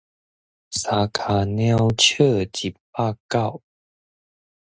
三跤貓，笑一目狗